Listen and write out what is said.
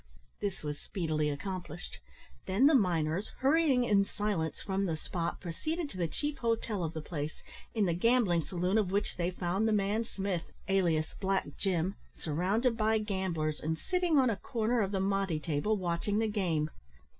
This was speedily accomplished; then the miners, hurrying in silence from the spot, proceeded to the chief hotel of the place, in the gambling saloon of which they found the man Smith, alias Black Jim, surrounded by gamblers, and sitting on a corner of the monte table watching the game.